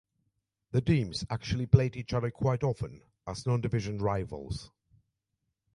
The teams actually played each other quite often as non-division rivals.